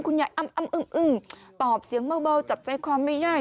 อ้ำอึ้งตอบเสียงเบาจับใจความไม่ได้